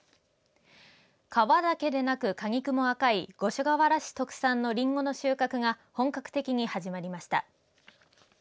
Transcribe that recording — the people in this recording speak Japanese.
皮だけでなく果肉も赤い五所川原市特産のリンゴの収穫が本格的に始まりました。